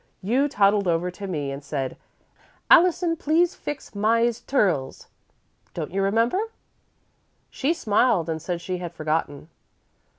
You toddled over to me and said: 'Allison, please fix my's turls.' Don't you remember?" She smiled and said she had forgotten.